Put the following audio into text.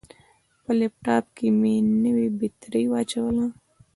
په لپټاپ کې مې نوې بطرۍ واچوله.